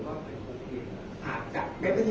ขนลูกในการโดดเลือดได้